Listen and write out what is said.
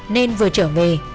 nên vừa trở về